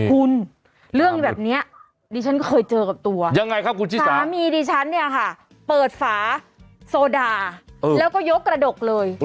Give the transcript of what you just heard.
คุณเรื่องแบบนี้ดิฉันเคยเจอกับตัวยังไงครับคุณชิสาสามีดิฉันเนี่ยค่ะเปิดฝาโซดาแล้วก็ยกระดกเลย